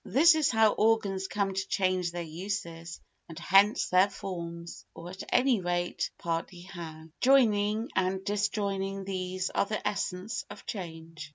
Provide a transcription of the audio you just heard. This is how organs come to change their uses and hence their forms, or at any rate partly how. Joining and Disjoining These are the essence of change.